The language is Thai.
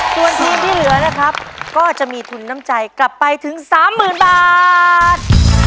ส่วนทีมที่เหลือนะครับก็จะมีทุนน้ำใจกลับไปถึง๓๐๐๐บาท